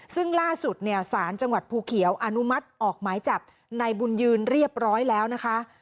ซึ่งล่าสุดเนี่ยสารจังหวัดภูเขียวอนุมัติออกหมายจับในบุญยืนเรียบร้อยแล้วนะคะ